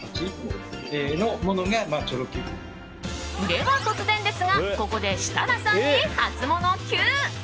では突然ですがここで設楽さんにハツモノＱ。